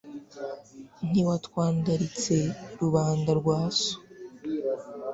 Ntiwatwandaritse Rubanda rwa so.